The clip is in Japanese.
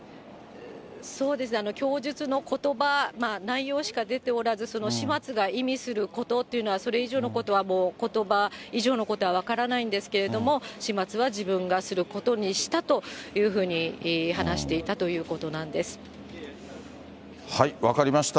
そうですね、供述のことば、内容しか出ておらず、その始末が意味することというのは、それ以上のことは、もうことば以上のことは分からないんですけれども、始末は自分がすることにしたというふうに話していたということな分かりました。